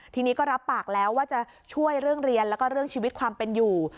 ทีนี้ก็รับปากแล้วว่าจะช่วยเรื่องเรียนแล้วก็เรื่องชีวิตความเป็นอยู่